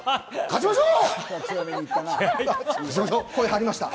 勝ちましょう！